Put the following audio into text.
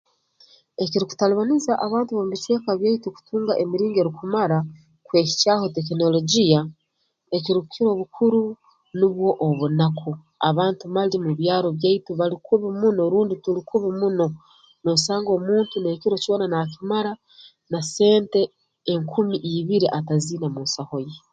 Ekirukutalibaniza abantu b'omu bicweka byaitu kutunga emiringo erukumara kwehikyaho tekinorogiya ekirukukira obukuru nubwo obunaku abantu mali mu byaro byaitu bali kubi muno rundi turukubi muno noosanga omunti n'ekiro kyona naakimara na sente enkumi ibiri ataziine mu nsaho ye